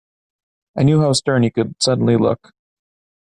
I knew how stern he could suddenly look.